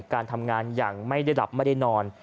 การทำงานอย่างไม่ได้หลับไม่ได้นอน